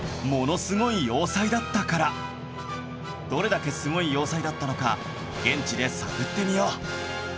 どれだけすごい要塞だったのか現地で探ってみよう